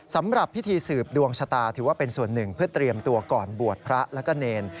สำหรับพิธีสืบดวงชะตาถือว่าเป็นส่วนหนึ่งเพื่อเตรียมตัวก่อนบวชพระแล้วก็เนร